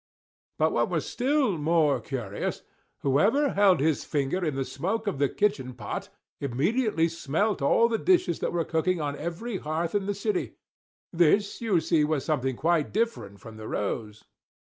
But what was still more curious, whoever held his finger in the smoke of the kitchen pot, immediately smelt all the dishes that were cooking on every hearth in the city this, you see, was something quite different from the rose.